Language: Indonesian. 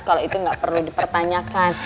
kalau itu nggak perlu dipertanyakan